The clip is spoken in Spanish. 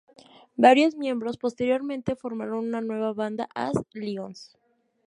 Varios miembros posteriormente formaron una nueva banda, As Lions.